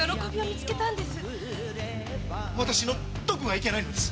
私のどこがいけないのです？